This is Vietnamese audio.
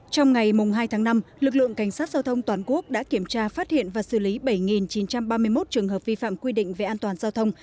trong ngày hai tháng năm lực lượng cảnh sát giao thông toàn quốc đã kiểm tra phát hiện và xử lý bảy chín trăm ba mươi một trường hợp vi phạm quy định về an toàn giao thông